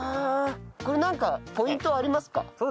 これなんかポイントはありますか？